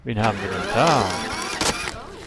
Wen haben wir denn da?